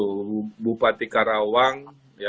dari bupati karawang